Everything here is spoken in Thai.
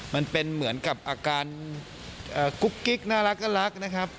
มันเป็นเหมือนกับอาการกุ๊กกิ๊กน่ารักนะครับ